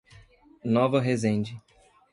Nova Resende